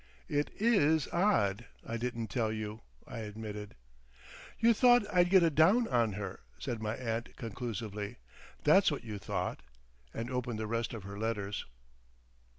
"It IS odd I didn't tell you," I admitted. "You thought I'd get a Down on her," said my aunt conclusively. "That's what you thought" and opened the rest of her letters.